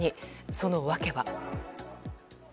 その訳は。